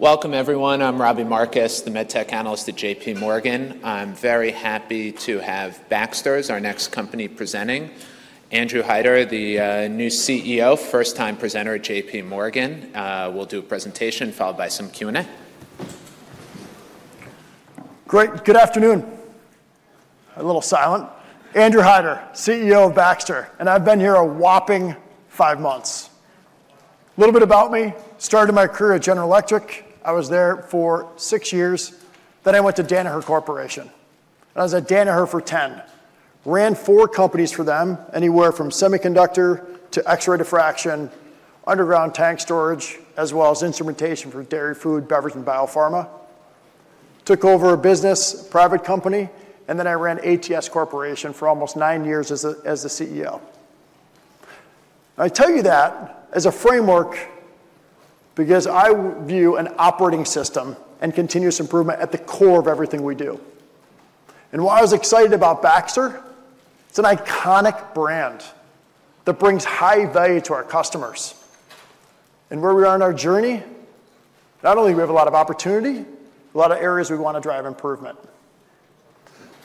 Welcome, everyone. I'm Robbie Marcus, the MedTech analyst at JPMorgan. I'm very happy to have Baxter as our next company presenting. Andrew Hider, the new CEO, first-time presenter at JPMorgan, will do a presentation followed by some Q&A. Great. Good afternoon. A little silent. Andrew Hider, CEO of Baxter, and I've been here a whopping five months. A little bit about me: started my career at General Electric. I was there for six years. Then I went to Danaher Corporation. I was at Danaher for 10, ran four companies for them, anywhere from semiconductor to X-ray diffraction, underground tank storage, as well as instrumentation for dairy, food, beverage, and biopharma. Took over a business, a private company, and then I ran ATS Corporation for almost nine years as the CEO. I tell you that as a framework because I view an operating system and continuous improvement at the core of everything we do. And why I was excited about Baxter? It's an iconic brand that brings high value to our customers. And where we are in our journey? Not only do we have a lot of opportunity, a lot of areas we want to drive improvement.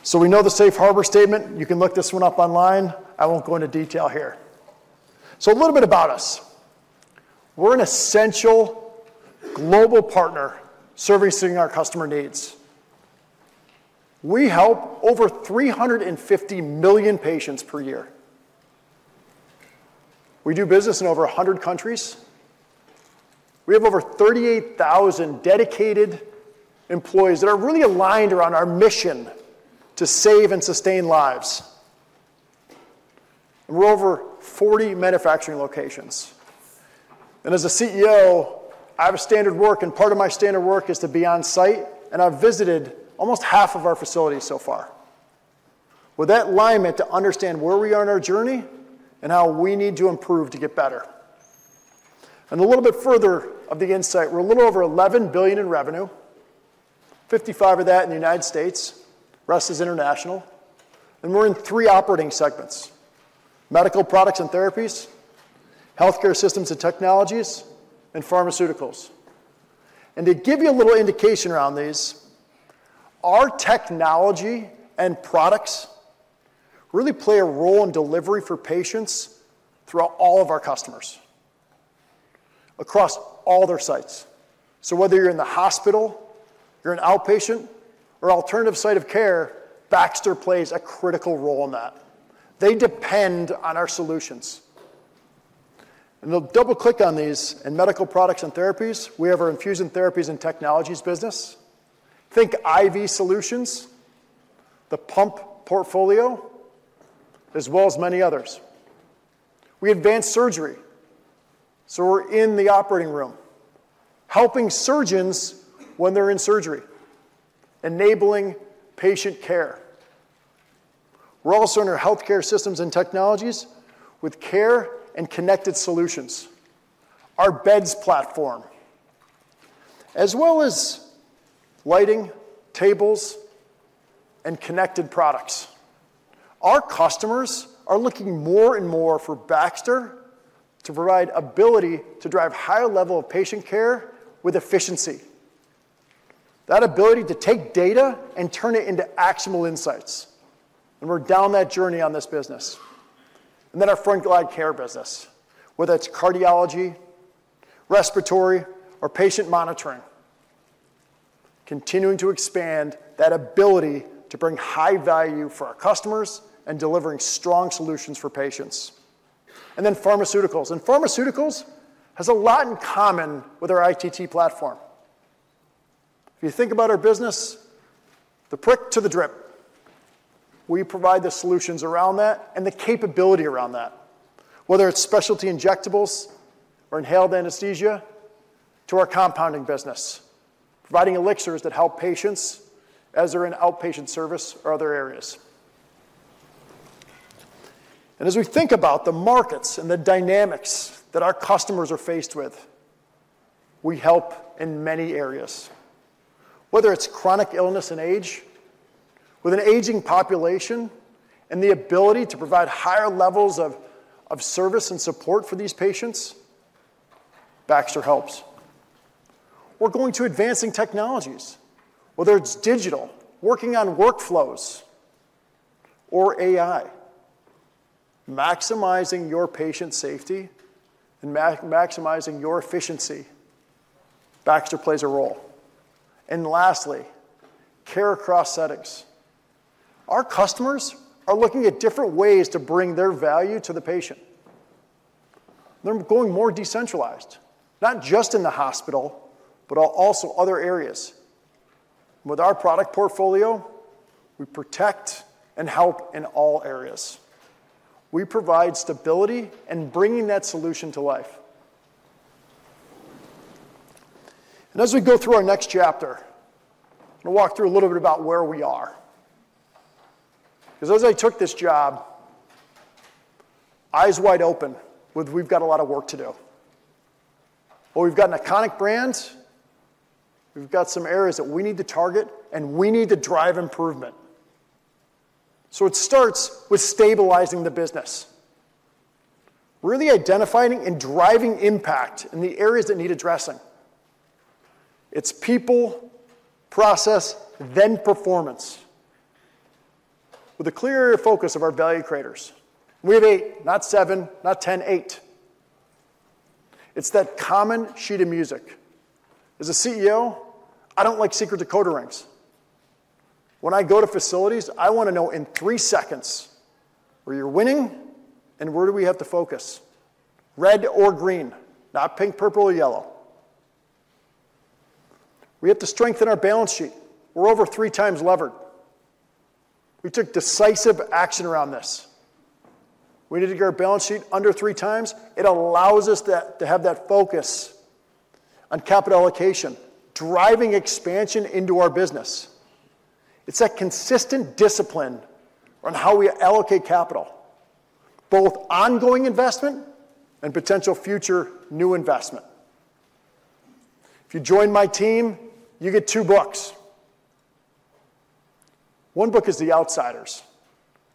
So we know the safe harbor statement. You can look this one up online. I won't go into detail here. So a little bit about us: we're an essential global partner servicing our customer needs. We help over 350 million patients per year. We do business in over 100 countries. We have over 38,000 dedicated employees that are really aligned around our mission to save and sustain lives. And we're over 40 manufacturing locations. And as a CEO, I have a standard work, and part of my standard work is to be on-site, and I've visited almost half of our facilities so far. With that alignment to understand where we are in our journey and how we need to improve to get better. A little bit further of the insight, we're a little over $11 billion in revenue, 55% of that in the United States. The rest is international. We're in three operating segments: Medical Products and Therapies, Healthcare Systems and Technologies, and Pharmaceuticals. To give you a little indication around these, our technology and products really play a role in delivery for patients throughout all of our customers across all their sites. Whether you're in the hospital, you're an outpatient, or alternative site of care, Baxter plays a critical role in that. They depend on our solutions. I'll double-click on these: in Medical Products and Therapies, we have our Infusion Therapies and Technologies business. Think IV solutions, the pump portfolio, as well as many others. We advance surgery. We're in the operating room, helping surgeons when they're in surgery, enabling patient care. We're also in our Healthcare Systems and Technologies with Care and Connectivity Solutions, our beds platform, as well as lighting, tables, and connected products. Our customers are looking more and more for Baxter to provide ability to drive higher level of patient care with efficiency, that ability to take data and turn it into actionable insights. And we're on that journey on this business. And then our Frontline Care business, whether it's cardiology, respiratory, or patient monitoring, continuing to expand that ability to bring high value for our customers and delivering strong solutions for patients. And then Pharmaceuticals. And Pharmaceuticals has a lot in common with our ITT platform. If you think about our business, the prick to the drip, we provide the solutions around that and the capability around that, whether it's specialty injectables or inhaled anesthesia to our compounding business, providing elixirs that help patients as they're in outpatient service or other areas, and as we think about the markets and the dynamics that our customers are faced with, we help in many areas, whether it's chronic illness and age, with an aging population and the ability to provide higher levels of service and support for these patients, Baxter helps. We're going to advancing technologies, whether it's digital, working on workflows, or AI, maximizing your patient safety and maximizing your efficiency. Baxter plays a role, and lastly, care across settings. Our customers are looking at different ways to bring their value to the patient. They're going more decentralized, not just in the hospital, but also other areas. With our product portfolio, we protect and help in all areas. We provide stability and bring that solution to life, and as we go through our next chapter, I'm going to walk through a little bit about where we are. Because as I took this job, eyes wide open, with we've got a lot of work to do. Well, we've got an iconic brand. We've got some areas that we need to target, and we need to drive improvement, so it starts with stabilizing the business, really identifying and driving impact in the areas that need addressing. It's people, process, then performance, with a clear focus of our value creators. We have eight, not seven, not 10, eight. It's that same sheet of music. As a CEO, I don't like secret decoder rings. When I go to facilities, I want to know in three seconds where you're winning and where do we have to focus: red or green, not pink, purple, or yellow. We have to strengthen our balance sheet. We're over three times levered. We took decisive action around this. We need to get our balance sheet under three times. It allows us to have that focus on capital allocation, driving expansion into our business. It's that consistent discipline on how we allocate capital, both ongoing investment and potential future new investment. If you join my team, you get two books. One book is The Outsiders.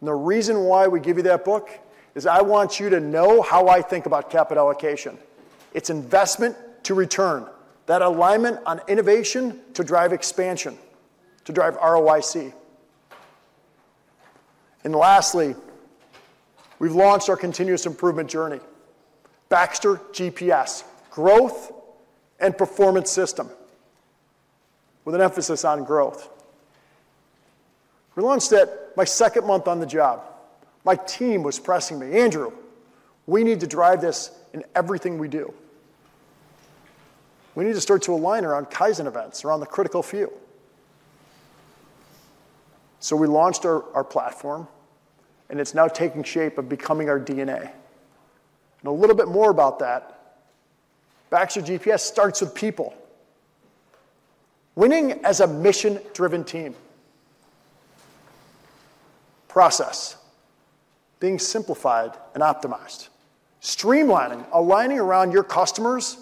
And the reason why we give you that book is I want you to know how I think about capital allocation. It's investment to return, that alignment on innovation to drive expansion, to drive ROIC. And lastly, we've launched our continuous improvement journey, Baxter GPS, Growth and Performance System with an emphasis on growth. We launched it in my second month on the job. My team was pressing me, "Andrew, we need to drive this in everything we do. We need to start to align around Kaizen events, around the critical few." So we launched our platform, and it's now taking shape of becoming our DNA. And a little bit more about that, Baxter GPS starts with people, winning as a mission-driven team, process, being simplified and optimized, streamlining, aligning around your customers,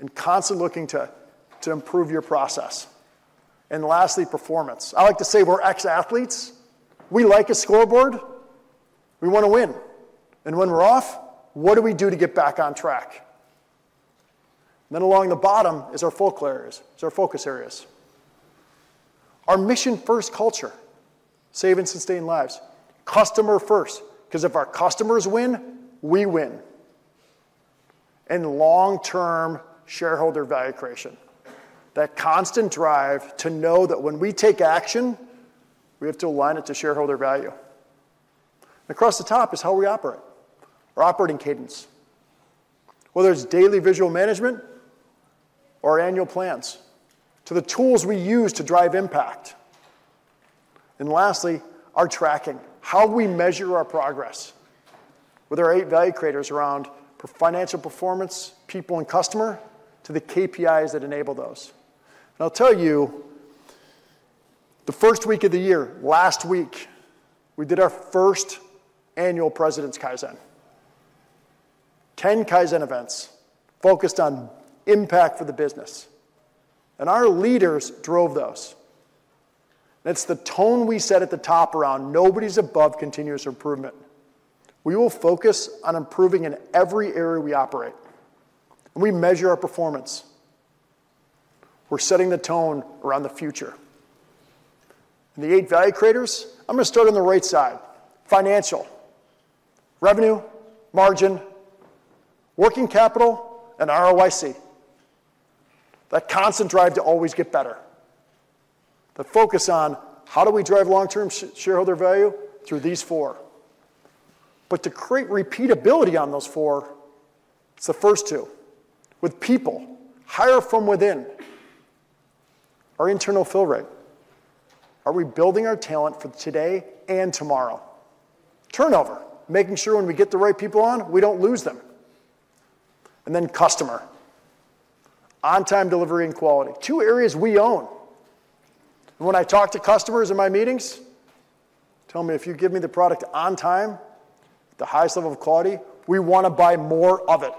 and constantly looking to improve your process. And lastly, performance. I like to say we're ex-athletes. We like a scoreboard. We want to win. And when we're off, what do we do to get back on track? And then along the bottom is our focus areas. Our mission-first culture, saving and sustaining lives, customer first, because if our customers win, we win. And long-term shareholder value creation, that constant drive to know that when we take action, we have to align it to shareholder value. And across the top is how we operate, our operating cadence, whether it's daily visual management or annual plans, to the tools we use to drive impact. And lastly, our tracking, how we measure our progress with our eight Value Creators around financial performance, people, and customer to the KPIs that enable those. And I'll tell you, the first week of the year, last week, we did our first annual President's Kaizen, 10 Kaizen events focused on impact for the business. And our leaders drove those. And it's the tone we set at the top around nobody's above continuous improvement. We will focus on improving in every area we operate. We measure our performance. We're setting the tone around the future. The eight Value Creators, I'm going to start on the right side, financial, revenue, margin, working capital, and ROIC, that constant drive to always get better, the focus on how do we drive long-term shareholder value through these four. To create repeatability on those four, it's the first two with people, hire from within, our internal fill rate. Are we building our talent for today and tomorrow? Turnover, making sure when we get the right people on, we don't lose them. Then customer, on-time delivery and quality, two areas we own. When I talk to customers in my meetings, tell me, "If you give me the product on time, the highest level of quality, we want to buy more of it."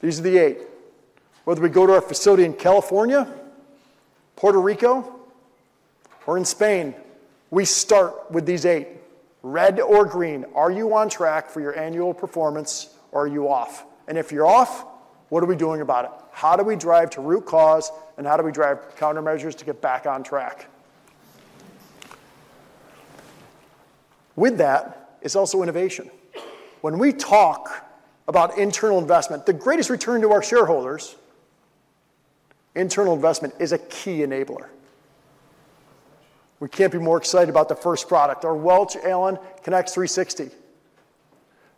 These are the eight. Whether we go to our facility in California, Puerto Rico, or in Spain, we start with these eight. Red or green, are you on track for your annual performance, or are you off? And if you're off, what are we doing about it? How do we drive to root cause, and how do we drive countermeasures to get back on track? With that, it's also innovation. When we talk about internal investment, the greatest return to our shareholders, internal investment is a key enabler. We can't be more excited about the first product, our Welch Allyn Connex 360,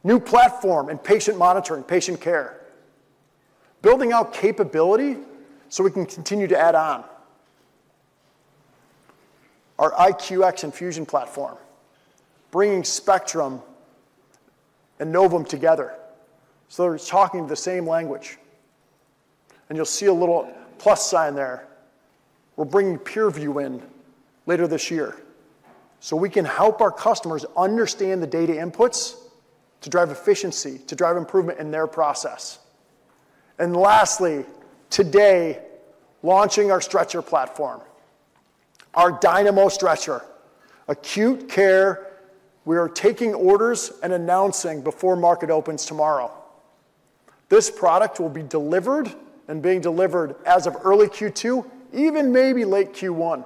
new platform and patient monitoring, patient care, building out capability so we can continue to add on. Our IQX Infusion platform, bringing Spectrum and Novum together. So they're talking the same language. And you'll see a little plus sign there. We're bringing PeerVue in later this year so we can help our customers understand the data inputs to drive efficiency, to drive improvement in their process. And lastly, today, launching our stretcher platform, our Dynamo Stretcher, acute care. We are taking orders and announcing before market opens tomorrow. This product will be delivered and being delivered as of early Q2, even maybe late Q1.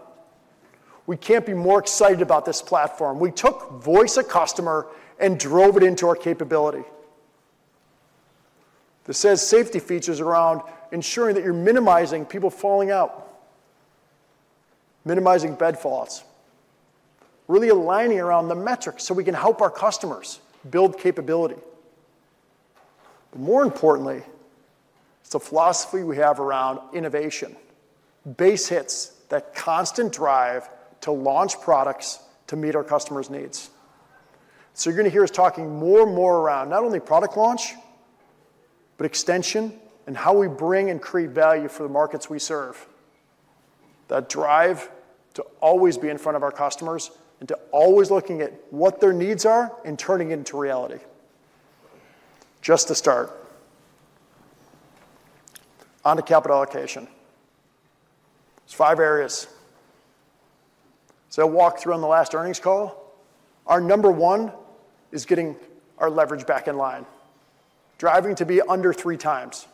We can't be more excited about this platform. We took voice of customer and drove it into our capability. This has safety features around ensuring that you're minimizing people falling out, minimizing bed falls, really aligning around the metrics so we can help our customers build capability. But more importantly, it's the philosophy we have around innovation, base hits, that constant drive to launch products to meet our customers' needs. You're going to hear us talking more and more around not only product launch, but extension and how we bring and create value for the markets we serve, that drive to always be in front of our customers and to always looking at what their needs are and turning it into reality. Just to start on to capital allocation. There's five areas. So I'll walk through on the last earnings call. Our number one is getting our leverage back in line, driving to be under three times.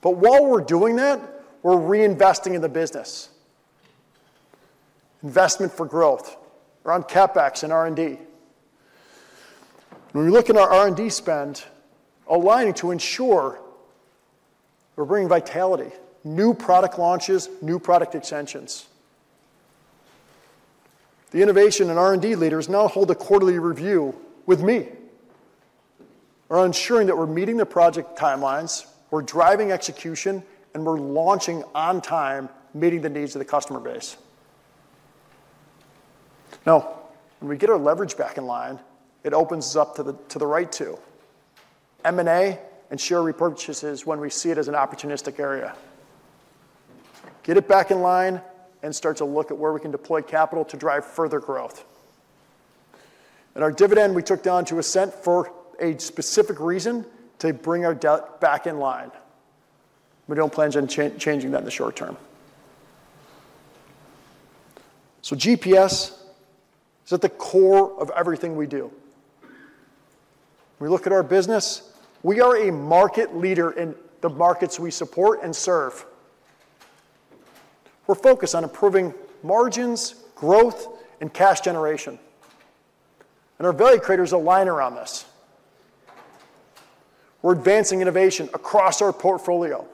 But while we're doing that, we're reinvesting in the business, investment for growth around CapEx and R&D. When we look at our R&D spend, aligning to ensure we're bringing vitality, new product launches, new product extensions. The innovation and R&D leaders now hold a quarterly review with me, ensuring that we're meeting the project timelines, we're driving execution, and we're launching on time, meeting the needs of the customer base. Now, when we get our leverage back in line, it opens up to the right to M&A and share repurchases when we see it as an opportunistic area. Get it back in line and start to look at where we can deploy capital to drive further growth. And our dividend, we took down to $0.01 for a specific reason to bring our debt back in line. We don't plan on changing that in the short term. So GPS is at the core of everything we do. We look at our business. We are a market leader in the markets we support and serve. We're focused on improving margins, growth, and cash generation. Our value creators align around this. We're advancing innovation across our portfolio.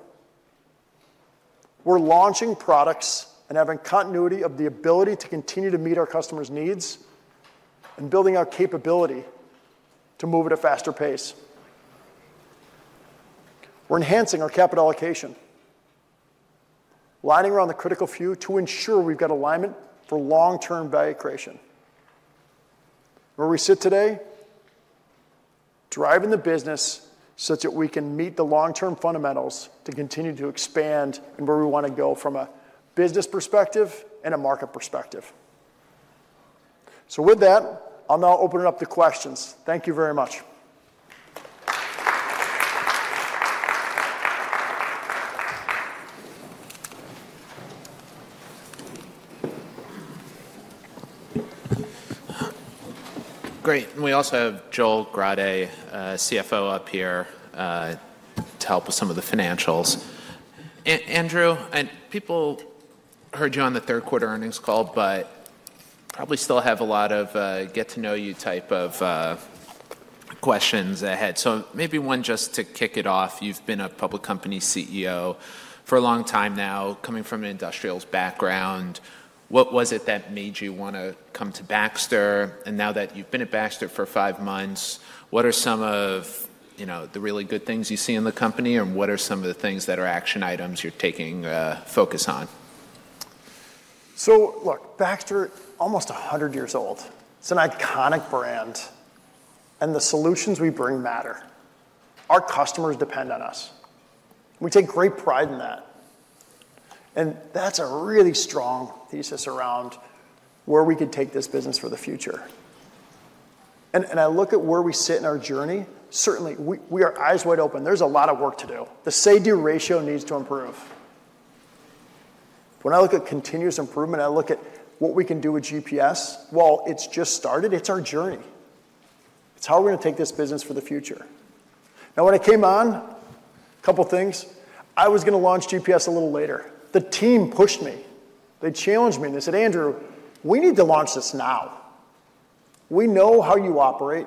We're launching products and having continuity of the ability to continue to meet our customers' needs and building our capability to move at a faster pace. We're enhancing our capital allocation, lining around the critical few to ensure we've got alignment for long-term value creation. Where we sit today, driving the business such that we can meet the long-term fundamentals to continue to expand and where we want to go from a business perspective and a market perspective. With that, I'll now open it up to questions. Thank you very much. Great. We also have Joel Grade, CFO, up here to help with some of the financials. Andrew, I think people heard you on the third quarter earnings call, but probably still have a lot of get-to-know-you type of questions ahead. So maybe one just to kick it off. You've been a public company CEO for a long time now, coming from an industrials background. What was it that made you want to come to Baxter? And now that you've been at Baxter for five months, what are some of the really good things you see in the company, and what are some of the things that are action items you're taking focus on? So look, Baxter is almost 100 years old. It's an iconic brand, and the solutions we bring matter. Our customers depend on us. We take great pride in that. And that's a really strong thesis around where we could take this business for the future. And I look at where we sit in our journey. Certainly, we are eyes wide open. There's a lot of work to do. The say-do ratio needs to improve. When I look at continuous improvement, I look at what we can do with GPS. It's just started. It's our journey. It's how we're going to take this business for the future. Now, when I came on, a couple of things. I was going to launch GPS a little later. The team pushed me. They challenged me, and they said, "Andrew, we need to launch this now. We know how you operate.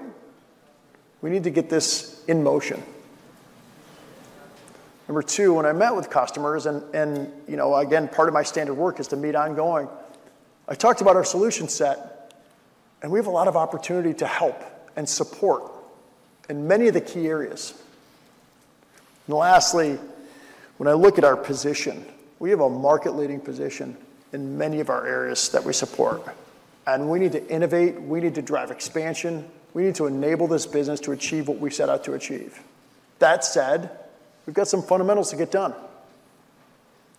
We need to get this in motion." Number two, when I met with customers, and again, part of my standard work is to meet ongoing, I talked about our solution set, and we have a lot of opportunity to help and support in many of the key areas. Lastly, when I look at our position, we have a market-leading position in many of our areas that we support. We need to innovate. We need to drive expansion. We need to enable this business to achieve what we set out to achieve. That said, we've got some fundamentals to get done.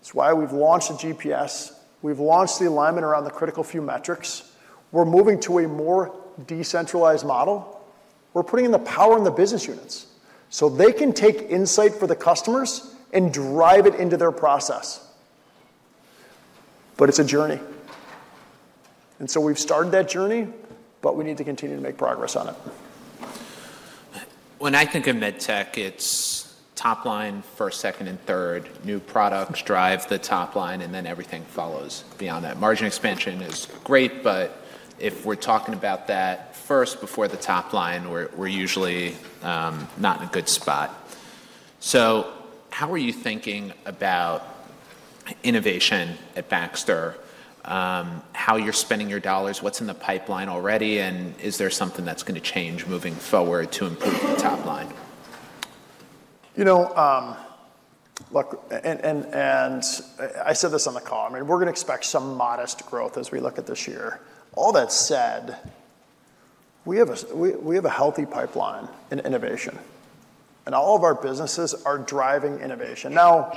It's why we've launched the GPS. We've launched the alignment around the critical few metrics. We're moving to a more decentralized model. We're putting in the power in the business units so they can take insight for the customers and drive it into their process. But it's a journey. And so we've started that journey, but we need to continue to make progress on it. When I think of MedTech, it's top line, first, second, and third. New products drive the top line, and then everything follows beyond that. Margin expansion is great, but if we're talking about that first before the top line, we're usually not in a good spot. So how are you thinking about innovation at Baxter, how you're spending your dollars, what's in the pipeline already, and is there something that's going to change moving forward to improve the top line? Look, and I said this on the call, I mean, we're going to expect some modest growth as we look at this year. All that said, we have a healthy pipeline in innovation. And all of our businesses are driving innovation. Now,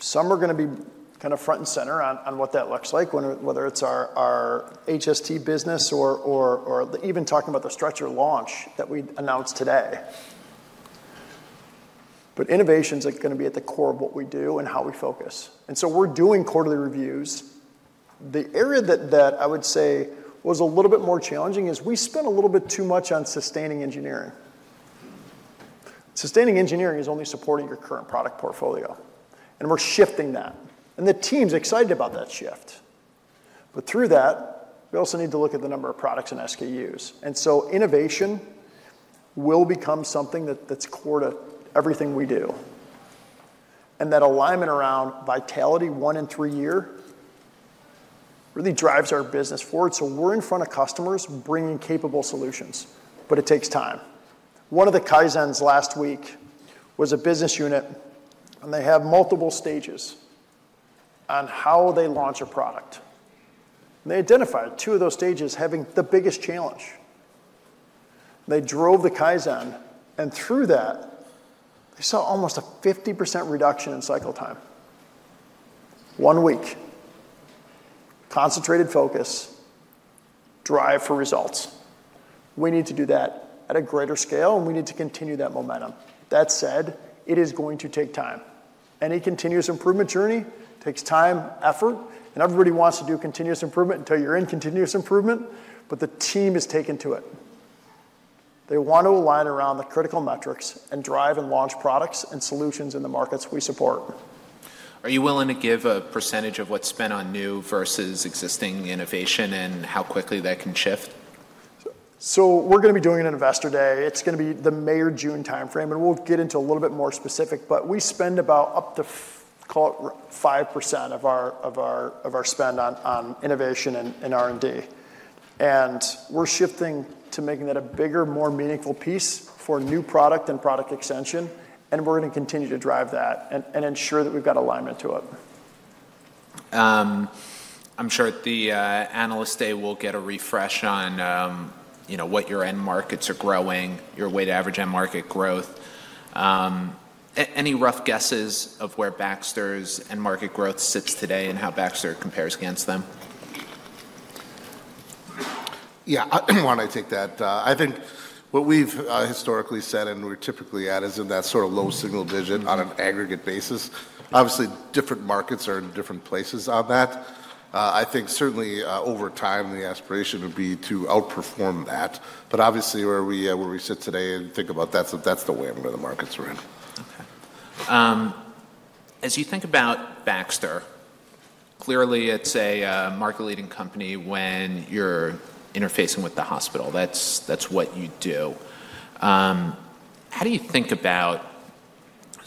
some are going to be kind of front and center on what that looks like, whether it's our HST business or even talking about the stretcher launch that we announced today. But innovation is going to be at the core of what we do and how we focus. And so we're doing quarterly reviews. The area that I would say was a little bit more challenging is we spent a little bit too much on sustaining engineering. Sustaining engineering is only supporting your current product portfolio. And we're shifting that. And the team's excited about that shift. But through that, we also need to look at the number of products and SKUs. And so innovation will become something that's core to everything we do. And that alignment around vitality, one and three years, really drives our business forward. So we're in front of customers bringing capable solutions, but it takes time. One of the Kaizens last week was a business unit, and they have multiple stages on how they launch a product. And they identified two of those stages having the biggest challenge. They drove the Kaizen, and through that, they saw almost a 50% reduction in cycle time. One week, concentrated focus, drive for results. We need to do that at a greater scale, and we need to continue that momentum. That said, it is going to take time. Any continuous improvement journey takes time, effort, and everybody wants to do continuous improvement until you're in continuous improvement, but the team is taken to it. They want to align around the critical metrics and drive and launch products and solutions in the markets we support. Are you willing to give a percentage of what's spent on new versus existing innovation and how quickly that can shift? So we're going to be doing an Investor Day. It's going to be the May or June timeframe, and we'll get into a little bit more specific, but we spend about up to, call it, 5% of our spend on innovation and R&D. We're shifting to making that a bigger, more meaningful piece for new product and product extension, and we're going to continue to drive that and ensure that we've got alignment to it. I'm sure at the Analyst Day, we'll get a refresh on what your end markets are growing, your weighted average end market growth. Any rough guesses of where Baxter's end market growth sits today and how Baxter compares against them? Yeah, why don't I take that? I think what we've historically said, and we're typically at, is in that sort of low single-digit on an aggregate basis. Obviously, different markets are in different places on that. I think certainly over time, the aspiration would be to outperform that. But obviously, where we sit today and think about that, that's the way I'm going to the markets around. Okay. As you think about Baxter, clearly, it's a market-leading company when you're interfacing with the hospital. That's what you do. How do you think about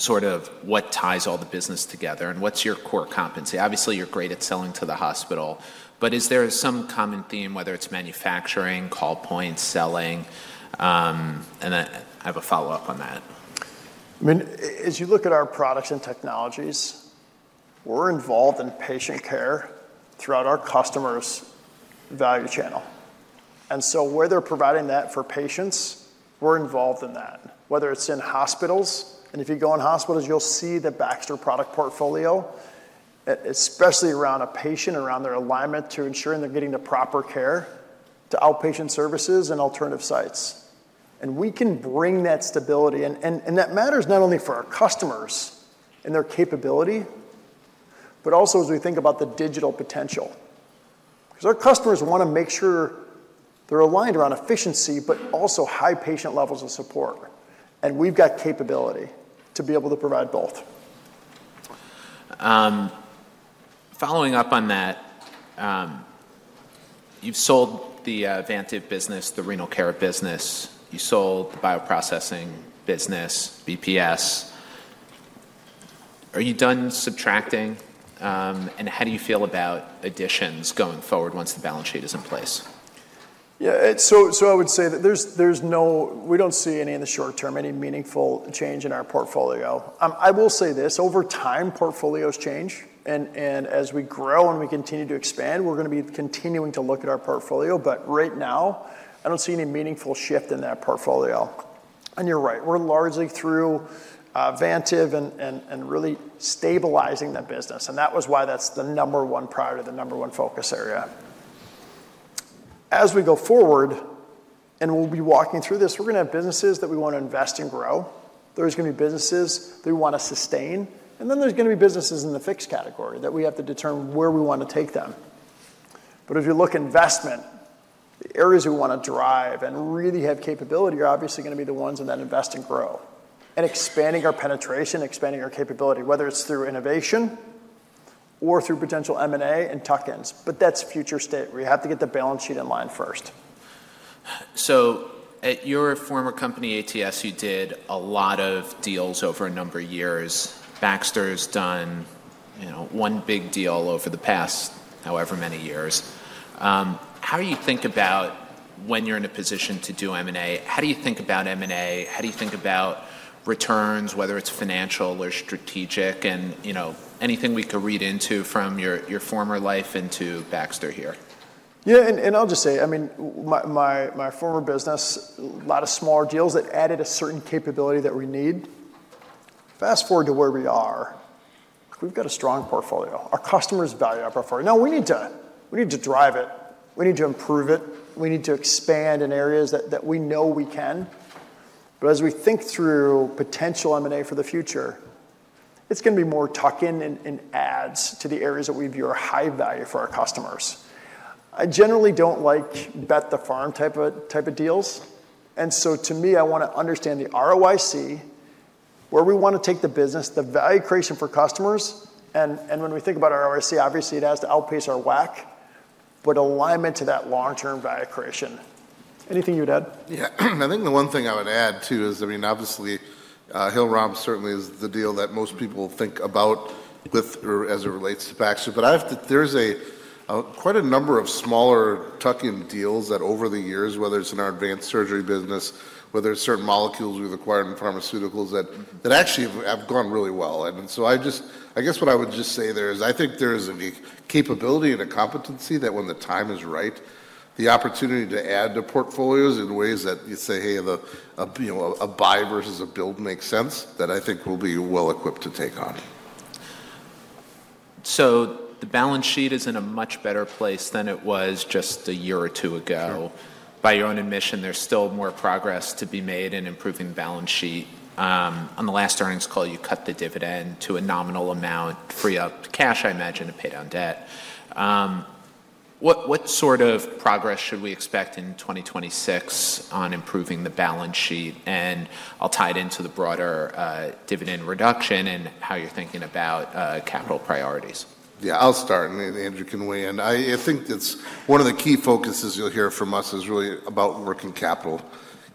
sort of what ties all the business together and what's your core competency? Obviously, you're great at selling to the hospital, but is there some common theme, whether it's manufacturing, call points, selling? And I have a follow-up on that. I mean, as you look at our products and technologies, we're involved in patient care throughout our customers' value chain. And so where they're providing that for patients, we're involved in that, whether it's in hospitals. And if you go in hospitals, you'll see the Baxter product portfolio, especially around a patient, around their alignment to ensuring they're getting the proper care to outpatient services and alternative sites. And we can bring that stability. And that matters not only for our customers and their capability, but also as we think about the digital potential. Because our customers want to make sure they're aligned around efficiency, but also high patient levels of support. And we've got capability to be able to provide both. Following up on that, you've sold the Vantive business, the renal care business. You sold the bioprocessing business, BPS. Are you done subtracting? And how do you feel about additions going forward once the balance sheet is in place? Yeah. So I would say that there's no, we don't see any in the short term, any meaningful change in our portfolio. I will say this: over time, portfolios change. And as we grow and we continue to expand, we're going to be continuing to look at our portfolio. But right now, I don't see any meaningful shift in that portfolio. And you're right. We're largely through Vantive and really stabilizing that business. And that was why that's the number one priority, the number one focus area. As we go forward, and we'll be walking through this, we're going to have businesses that we want to invest and grow. There's going to be businesses that we want to sustain. And then there's going to be businesses in the fix category that we have to determine where we want to take them. But if you look at investment, the areas we want to drive and really have capability are obviously going to be the ones in that invest and grow. And expanding our penetration, expanding our capability, whether it's through innovation or through potential M&A and tuck-ins. But that's future state. We have to get the balance sheet in line first. So at your former company, ATS, you did a lot of deals over a number of years. Baxter's done one big deal over the past however many years. How do you think about when you're in a position to do M&A? How do you think about M&A? How do you think about returns, whether it's financial or strategic, and anything we could read into from your former life into Baxter here? Yeah. And I'll just say, I mean, my former business, a lot of smaller deals that added a certain capability that we need. Fast forward to where we are, we've got a strong portfolio. Our customers value our portfolio. Now, we need to drive it. We need to improve it. We need to expand in areas that we know we can. But as we think through potential M&A for the future, it's going to be more tuck-in and adds to the areas that we view are high value for our customers. I generally don't like bet-the-farm type of deals. And so to me, I want to understand the ROIC, where we want to take the business, the value creation for customers. And when we think about ROIC, obviously, it has to outpace our WACC, but alignment to that long-term value creation. Anything you would add? Yeah. I think the one thing I would add too is, I mean, obviously, Hillrom certainly is the deal that most people think about as it relates to Baxter. But there's quite a number of smaller tuck-in deals that over the years, whether it's in our Advanced Surgery business, whether it's certain molecules we've acquired in pharmaceuticals that actually have gone really well. And so, I guess what I would just say there is, I think there is a capability and a competency that when the time is right, the opportunity to add to portfolios in ways that you say, "Hey, a buy versus a build makes sense," that I think we'll be well equipped to take on. So the balance sheet is in a much better place than it was just a year or two ago. By your own admission, there's still more progress to be made in improving the balance sheet. On the last earnings call, you cut the dividend to a nominal amount, free up cash, I imagine, to pay down debt. What sort of progress should we expect in 2026 on improving the balance sheet? And I'll tie it into the broader dividend reduction and how you're thinking about capital priorities. Yeah. I'll start, and Andrew can weigh in. I think one of the key focuses you'll hear from us is really about working capital.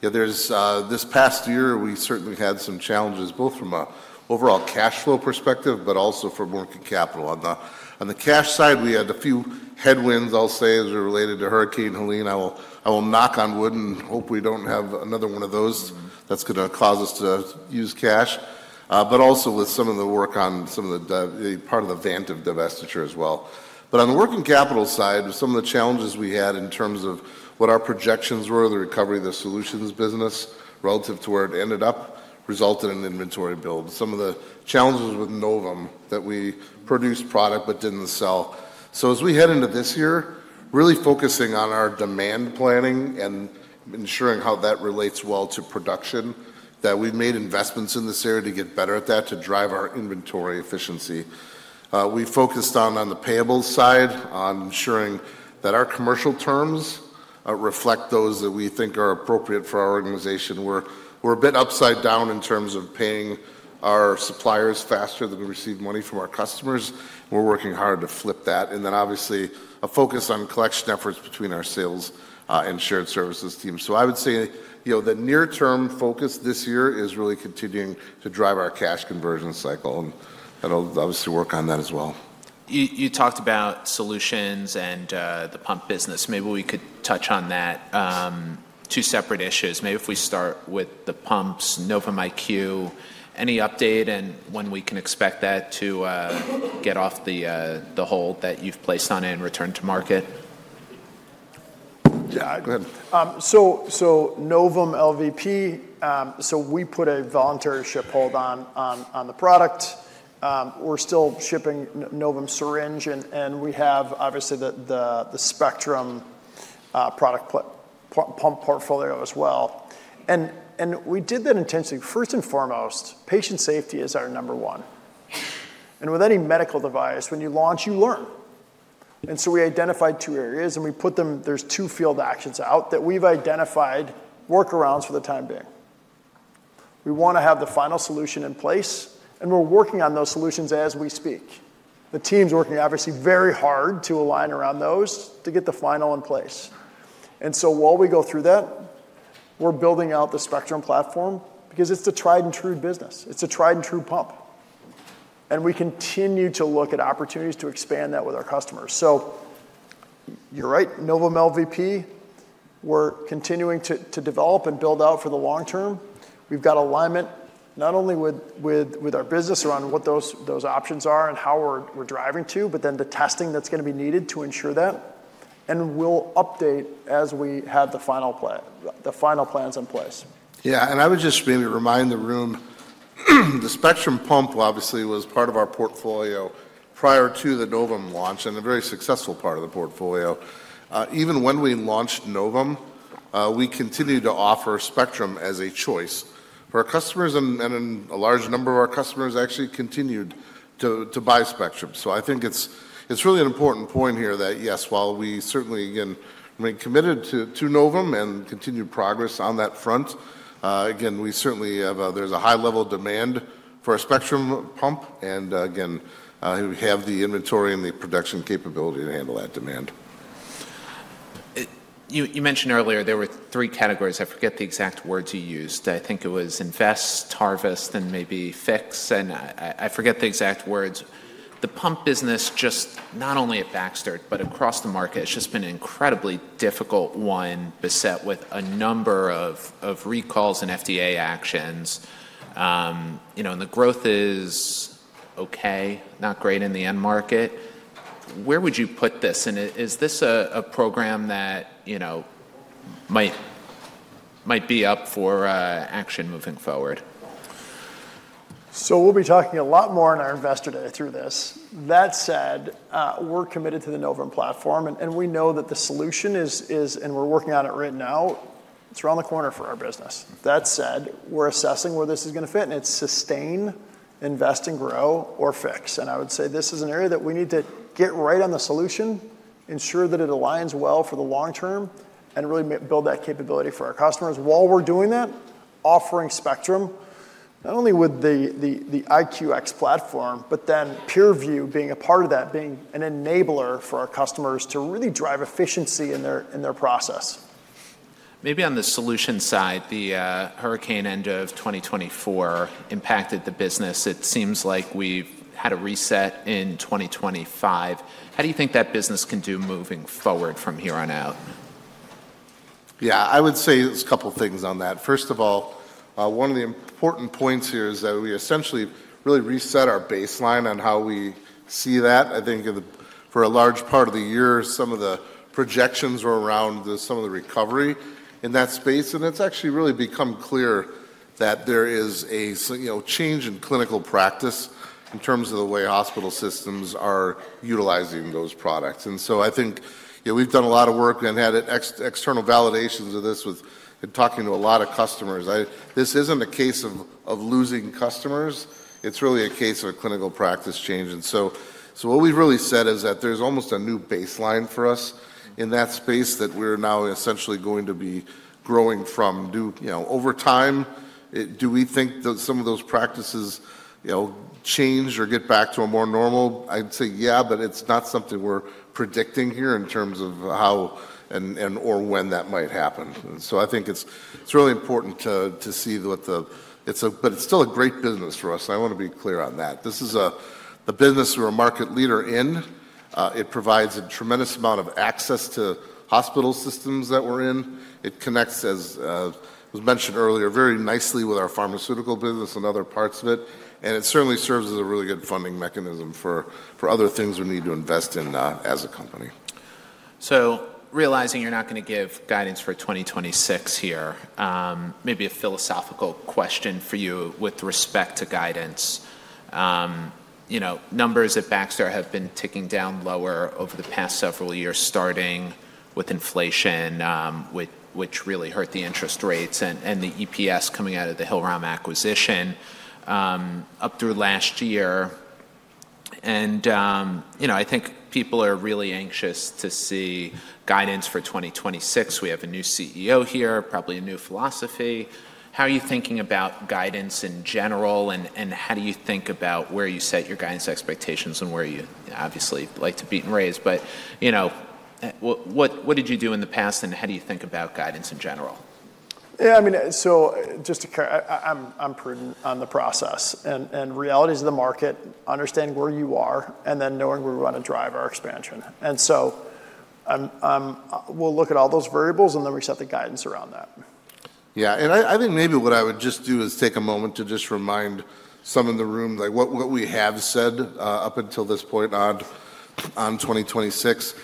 This past year, we certainly had some challenges both from an overall cash flow perspective, but also from working capital. On the cash side, we had a few headwinds, I'll say, as it related to Hurricane Helene. I will knock on wood and hope we don't have another one of those that's going to cause us to use cash, but also with some of the work on some of the part of the Vantive divestiture as well. But on the working capital side, some of the challenges we had in terms of what our projections were of the recovery of the solutions business relative to where it ended up resulted in inventory build. Some of the challenges with Novum that we produced product but didn't sell. So as we head into this year, really focusing on our demand planning and ensuring how that relates well to production, that we've made investments in this area to get better at that, to drive our inventory efficiency. We focused on the payables side, on ensuring that our commercial terms reflect those that we think are appropriate for our organization. We're a bit upside down in terms of paying our suppliers faster than we receive money from our customers. We're working hard to flip that. And then obviously, a focus on collection efforts between our sales and shared services team. So I would say the near-term focus this year is really continuing to drive our cash conversion cycle. And I'll obviously work on that as well. You talked about solutions and the pump business. Maybe we could touch on that, two separate issues. Maybe if we start with the pumps, Novum IQ, any update and when we can expect that to get off the hold that you've placed on it and return to market? Yeah. Go ahead. So Novum LVP, so we put a voluntary ship hold on the product. We're still shipping Novum Syringe, and we have obviously the Spectrum product pump portfolio as well, and we did that intentionally. First and foremost, patient safety is our number one, and with any medical device, when you launch, you learn, and so we identified two areas, and we put them. There's two field actions out that we've identified workarounds for the time being. We want to have the final solution in place, and we're working on those solutions as we speak. The team's working obviously very hard to align around those to get the final in place. And so while we go through that, we're building out the Spectrum platform because it's a tried-and-true business. It's a tried-and-true pump. And we continue to look at opportunities to expand that with our customers. So you're right, Novum LVP, we're continuing to develop and build out for the long term. We've got alignment not only with our business around what those options are and how we're driving to, but then the testing that's going to be needed to ensure that. And we'll update as we have the final plans in place. Yeah. And I would just maybe remind the room, the Spectrum pump obviously was part of our portfolio prior to the Novum launch and a very successful part of the portfolio. Even when we launched Novum, we continued to offer Spectrum as a choice for our customers, and a large number of our customers actually continued to buy Spectrum. So I think it's really an important point here that, yes, while we certainly, again, remain committed to Novum and continue progress on that front, again, we certainly have. There's a high-level demand for a Spectrum pump. And again, we have the inventory and the production capability to handle that demand. You mentioned earlier there were three categories. I forget the exact words you used. I think it was invest, harvest, and maybe fix. And I forget the exact words. The pump business, just not only at Baxter, but across the market, has just been an incredibly difficult one beset with a number of recalls and FDA actions. And the growth is okay, not great in the end market. Where would you put this? And is this a program that might be up for action moving forward? We'll be talking a lot more in our Investor Day through this. That said, we're committed to the Novum platform, and we know that the solution is, and we're working on it right now. It's around the corner for our business. That said, we're assessing where this is going to fit, and it's sustain, invest and grow, or fix. I would say this is an area that we need to get right on the solution, ensure that it aligns well for the long term, and really build that capability for our customers. While we're doing that, offering Spectrum, not only with the IQX platform, but then PeerVue being a part of that, being an enabler for our customers to really drive efficiency in their process. Maybe on the solution side, the hurricane end of 2024 impacted the business. It seems like we've had a reset in 2025. How do you think that business can do moving forward from here on out? Yeah. I would say there's a couple of things on that. First of all, one of the important points here is that we essentially really reset our baseline on how we see that. I think for a large part of the year, some of the projections were around some of the recovery in that space, and it's actually really become clear that there is a change in clinical practice in terms of the way hospital systems are utilizing those products, and so I think we've done a lot of work and had external validations of this with talking to a lot of customers. This isn't a case of losing customers. It's really a case of a clinical practice change. And so what we've really said is that there's almost a new baseline for us in that space that we're now essentially going to be growing from. Over time, do we think that some of those practices change or get back to a more normal? I'd say, yeah, but it's not something we're predicting here in terms of how and/or when that might happen. And so I think it's really important. But it's still a great business for us. I want to be clear on that. This is a business we're a market leader in. It provides a tremendous amount of access to hospital systems that we're in. It connects, as was mentioned earlier, very nicely with our pharmaceutical business and other parts of it. It certainly serves as a really good funding mechanism for other things we need to invest in as a company. So realizing you're not going to give guidance for 2026 here, maybe a philosophical question for you with respect to guidance. Numbers at Baxter have been ticking down lower over the past several years, starting with inflation, which really hurt the interest rates, and the EPS coming out of the Hillrom acquisition up through last year. And I think people are really anxious to see guidance for 2026. We have a new CEO here, probably a new philosophy. How are you thinking about guidance in general, and how do you think about where you set your guidance expectations and where you obviously like to beat and raise? But what did you do in the past, and how do you think about guidance in general? Yeah. I mean, so just to clear, I'm prudent on the process and realities of the market, understanding where you are, and then knowing where we want to drive our expansion. And so we'll look at all those variables, and then we set the guidance around that. Yeah. And I think maybe what I would just do is take a moment to just remind some of the room what we have said up until this point on 2026.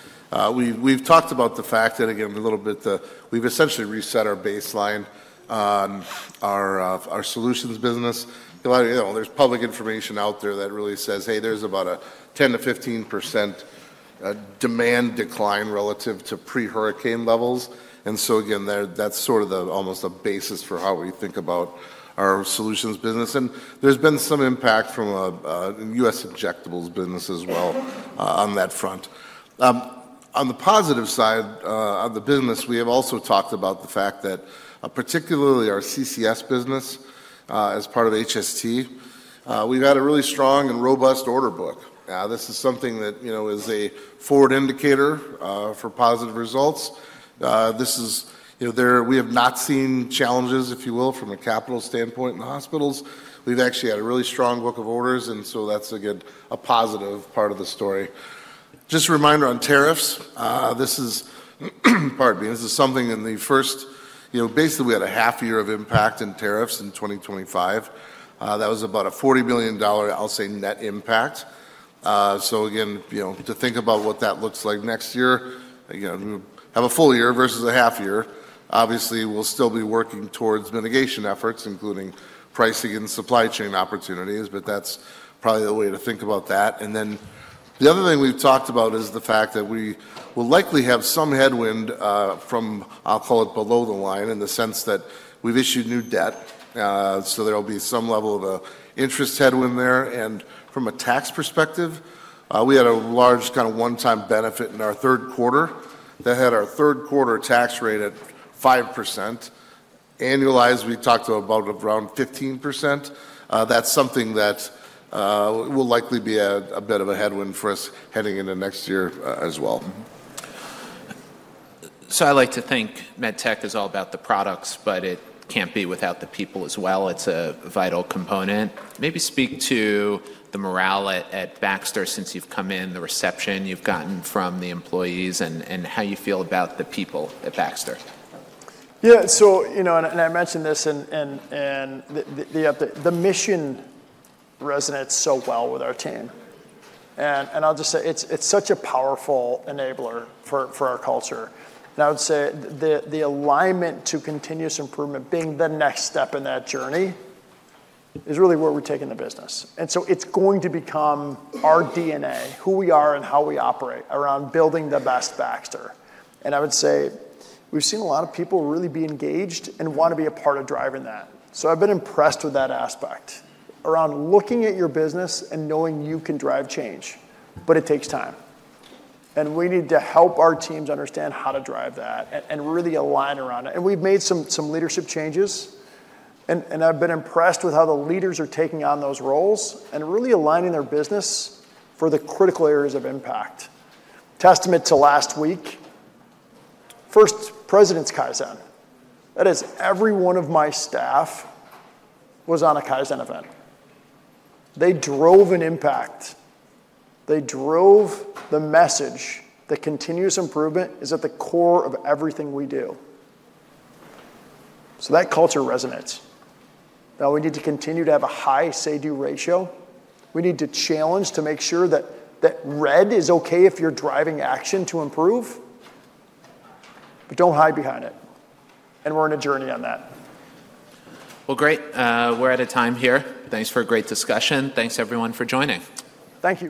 We've talked about the fact that, again, a little bit, we've essentially reset our baseline on our solutions business. There's public information out there that really says, "Hey, there's about a 10%-15% demand decline relative to pre-hurricane levels." And so again, that's sort of almost a basis for how we think about our solutions business. And there's been some impact from U.S. injectables business as well on that front. On the positive side of the business, we have also talked about the fact that particularly our CCS business as part of HST, we've had a really strong and robust order book. This is something that is a forward indicator for positive results. This is where we have not seen challenges, if you will, from a capital standpoint in the hospitals. We've actually had a really strong book of orders, and so that's a positive part of the story. Just a reminder on tariffs. This is, pardon me, this is something in the first, basically, we had a half year of impact in tariffs in 2025. That was about a $40 million, I'll say, net impact. So again, to think about what that looks like next year, we have a full-year versus a half-year. Obviously, we'll still be working towards mitigation efforts, including pricing and supply chain opportunities, but that's probably the way to think about that, and then the other thing we've talked about is the fact that we will likely have some headwind from, I'll call it below the line in the sense that we've issued new debt, so there will be some level of an interest headwind there, and from a tax perspective, we had a large kind of one-time benefit in our third quarter that had our third quarter tax rate at 5%. Annualized, we talked about around 15%. That's something that will likely be a bit of a headwind for us heading into next year as well. So I'd like to think MedTech is all about the products, but it can't be without the people as well. It's a vital component. Maybe speak to the morale at Baxter since you've come in, the reception you've gotten from the employees, and how you feel about the people at Baxter. Yeah. And I mentioned this, and the mission resonates so well with our team. And I'll just say it's such a powerful enabler for our culture. And I would say the alignment to continuous improvement being the next step in that journey is really where we're taking the business. And so it's going to become our DNA, who we are and how we operate around building the best Baxter. And I would say we've seen a lot of people really be engaged and want to be a part of driving that. So I've been impressed with that aspect around looking at your business and knowing you can drive change, but it takes time. And we need to help our teams understand how to drive that and really align around it. And we've made some leadership changes, and I've been impressed with how the leaders are taking on those roles and really aligning their business for the critical areas of impact. Testament to last week: first President's Kaizen. That is, every one of my staff was on a Kaizen event. They drove an impact. They drove the message that continuous improvement is at the core of everything we do. So that culture resonates. Now, we need to continue to have a high say-do ratio. We need to challenge to make sure that red is okay if you're driving action to improve, but don't hide behind it. And we're on a journey on that. Well, great. We're out of time here. Thanks for a great discussion. Thanks, everyone, for joining. Thank you.